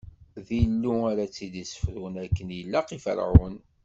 D Illu ara t-id-issefrun akken ilaq i Ferɛun.